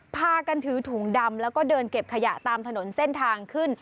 พากันถือถุงดำแล้วก็เดินเก็บขยะตามถนนเส้นทางขึ้น